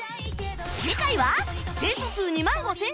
次回は生徒数２万５０００人以上？